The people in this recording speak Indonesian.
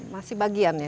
masih bagian ya